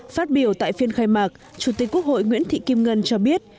phát biểu tại phiên khai mạc chủ tịch quốc hội nguyễn thị kim ngân cho biết